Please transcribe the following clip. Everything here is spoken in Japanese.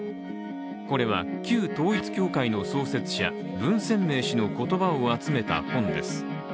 これは旧統一教会の創設者文鮮明氏の言葉を集めた本です。